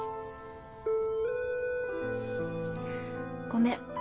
ごめん。